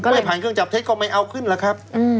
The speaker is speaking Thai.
ไม่ผ่านเครื่องจับเท็จก็ไม่เอาขึ้นล่ะครับ